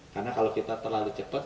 karena kalau kita terlalu cepat